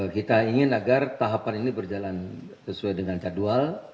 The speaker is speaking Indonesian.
kita ingin agar tahapan ini berjalan sesuai dengan jadwal